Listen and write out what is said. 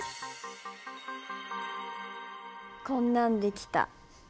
こんなん出来た。